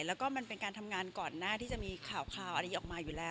แล้วก็มันเป็นการทำงานก่อนหน้าที่จะมีข่าวอะไรออกมาอยู่แล้ว